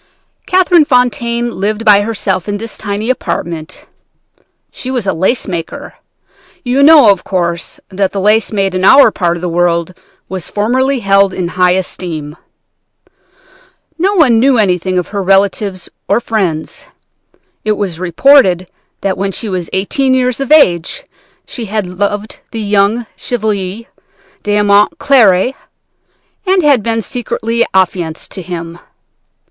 "Catherine Fontaine lived by herself in this tiny apartment. She was a lace maker. You know, of course, that the lace made in our part of the world was formerly held in high esteem. No one knew anything of her relatives or friends. It was reported that when she was eighteen years of age she had loved the young Chevalier d'Aumont Cléry, and had been secretly affianced to him.